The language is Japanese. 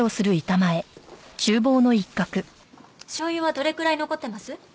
醤油はどれくらい残ってます？